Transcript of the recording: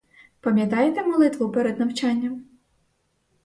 Пам'ятаєте молитву перед навчанням?